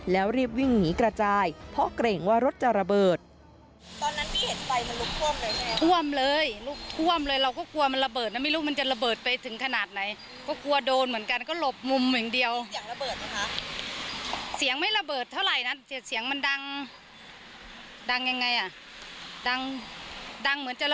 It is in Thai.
แล้วรีบวิ่งหนีกระจายเพราะเกรงว่ารถจะระเบิด